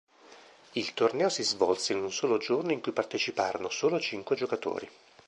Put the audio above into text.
Il torneo si svolse in un solo giorno in cui parteciparono solo cinque giocatori.